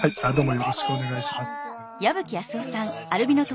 よろしくお願いします。